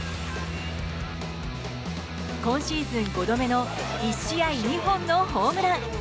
今シーズン５度目の１試合２本のホームラン。